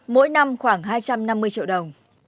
mỗi năm khoảng hai trăm năm mươi triệu đồng